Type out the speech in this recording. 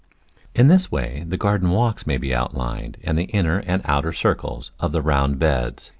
In this way the garden walks may be outlined and the inner and outer circles of the round beds.